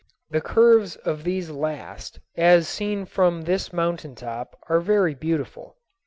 The curves of these last as seen from this mountain top are very beautiful.